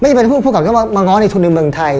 ไม่เป็นภูมิกับมาง้อนในทุนิงเมืองไทย